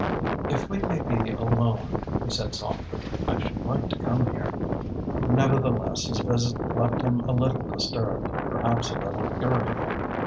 "If we may be alone," he said softly, "I should like to come here." Nevertheless, his visit left him a little disturbed, perhaps a little irritable.